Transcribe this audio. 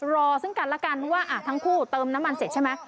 รอซึ่งกันแล้วกันว่าทั้งคู่เติมน้ำมันเสร็จใช่ไหม